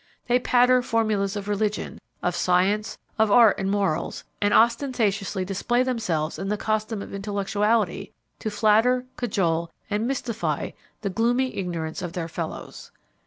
They patter the formulas of religion, of science, of art and morals, and ostentatiously display themselves in the costume of intellectuality to flatter, cajole and mystify the gloomy ignorance of their fellows.